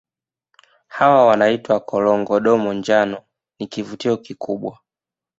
Hawa wanaitwa Korongo Domo njano ni kivutio kikubwa